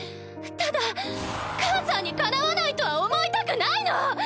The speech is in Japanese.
ただ母さんにかなわないとは思いたくないの！